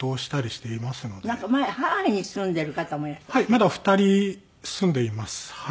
まだ２人住んでいます。